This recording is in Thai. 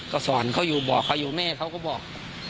ก็สอนเขาอยู่บอกเขาอยู่แม่เขาก็บอก